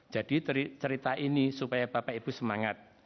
jadi cerita ini supaya bapak ibu semangat